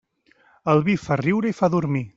El vi fa riure i fa dormir.